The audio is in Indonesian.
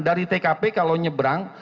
dari tkp kalau nyebrang